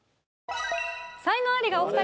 才能アリがお２人。